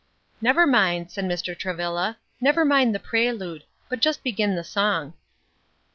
"Never mind," said Mr. Travilla, "never mind the prelude, but just begin the song."